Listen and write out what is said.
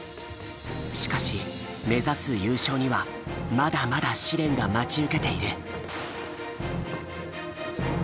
しかし目指す優勝にはまだまだ試練が待ち受けている。